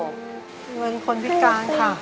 เงินคนพิการค่ะ